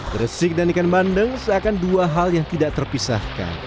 gresik dan ikan bandeng seakan dua hal yang tidak terpisahkan